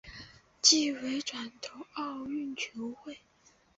季尾转投澳洲球会。